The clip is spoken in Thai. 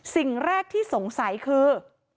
สิ่งแรกที่สงสัยคือ